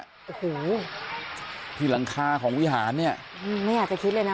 โอ้โหที่หลังคาของวิหารเนี่ยไม่อยากจะคิดเลยนะ